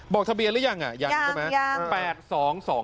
บอกทะเบียนหรือยังยังยัง